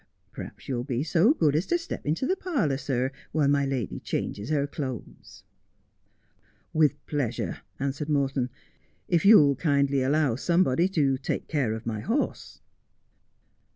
Perhaps you'll be so good as to step into the parlour, .sir, while my lady changes her clothes.' 'With pleasure,' answered Morton, 'if you'll kindly allow somebody to take care of my horse.'